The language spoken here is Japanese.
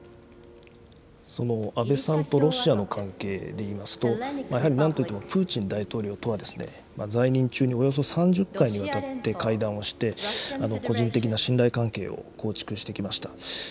その安倍さんとロシアの関係でいいますと、やはりなんといってもプーチン大統領とは、在任中におよそ３０回にわたって会談をして、個人的な信頼関係を構築してきました。